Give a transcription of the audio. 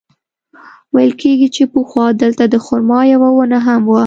ویل کېږي چې پخوا دلته د خرما یوه ونه هم وه.